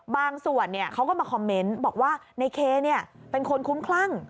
ส่วนเขาก็มาคอมเมนต์บอกว่าในเคเป็นคนคุ้มคลั่ง